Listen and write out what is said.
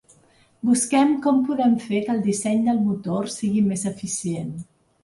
Busquem com podem fer que el disseny del motor sigui més eficient.